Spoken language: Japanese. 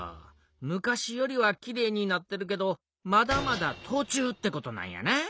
昔よりはきれいになってるけどまだまだとちゅうってことなんやな。